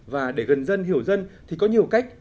và để gần dân hiểu dân thì có nhiều cách